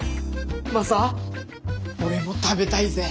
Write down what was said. マサ俺も食べたいぜ。